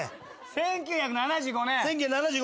１９７５年の？